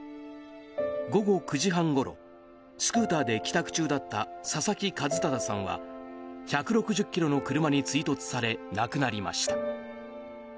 午後９時半ごろスクーターで帰宅中だった佐々木一匡さんは１６０キロの車に追突され亡くなりました。